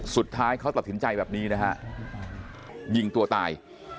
สุดท้ายเขาตัดสินใจแบบนี้นะฮะยิงตัวตาย